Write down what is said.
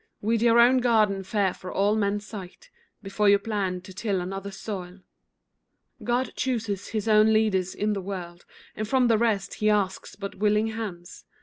Weed your own garden fair for all men's sight, Before you plan to till another's soil. God chooses His own leaders in the world, And from the rest He asks but willing hands.